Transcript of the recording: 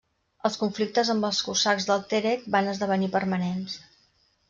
Els conflictes amb els cosacs del Terek van esdevenir permanents.